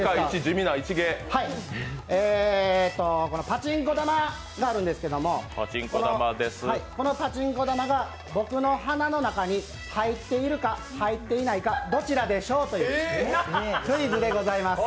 パチンコ玉があるんですけど、このパチンコ玉が僕の鼻の中に入っているか、入っていないか、どちらでしょう？というクイズでございます。